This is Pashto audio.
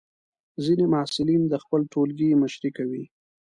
ځینې محصلین د خپل ټولګي مشري کوي.